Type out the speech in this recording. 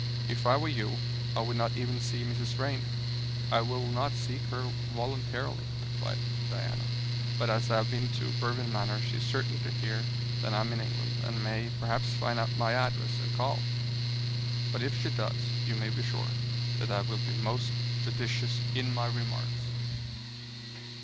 If I were you I would not even see Mrs. Vrain." "I will not seek her voluntarily," replied Diana, "but as I have been to Berwin Manor she is certain to hear that I am in England, and may perhaps find out my address, and call. But if she does, you may be sure that I will be most judicious in my remarks."